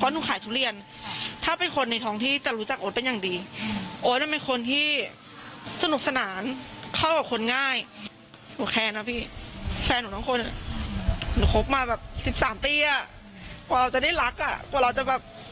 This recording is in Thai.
กว่าเราจะได้รักกว่าเราจะแบบ